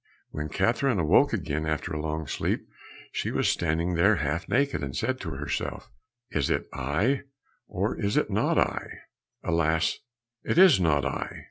When Catherine awoke again after a long sleep she was standing there half naked, and said to herself, "Is it I, or is it not I? Alas, it is not I."